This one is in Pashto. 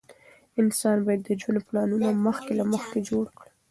انسان باید د ژوند پلانونه مخکې له مخکې جوړ کړي.